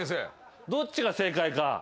どっちが正解か。